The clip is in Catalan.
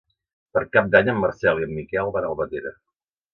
Per Cap d'Any en Marcel i en Miquel van a Albatera.